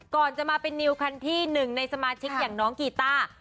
ก่อนจะมาเป็นนิวคันที่หนึ่งในสมาชิกอย่างน้องกีต้า